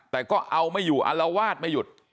แต่ก็เอาไม่อยู่อารวาสไม่หยุด